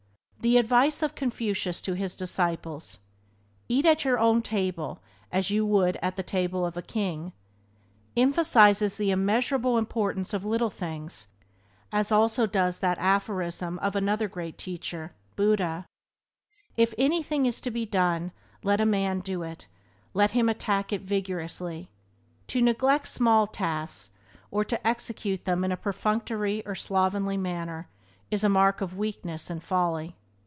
The advice of Confucius to his disciples: "Eat at your own table as you would at the table of a king," emphasizes the immeasurable importance of little things, as also does that aphorism of another great teacher, Buddha: "If anything is to be done, let a man do it, let him attack it vigorously." To neglect small tasks, or to execute them in a perfunctory or slovenly manner, is a mark of weakness and folly.